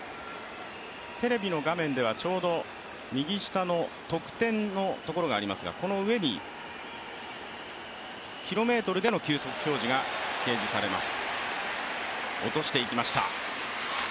テレビの画面では右下の得点のところがありますが、この上にキロメートルでの球速表示が出ます。